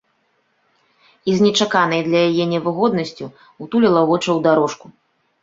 І з нечаканай для яе невыгоднасцю ўтуліла вочы ў дарожку.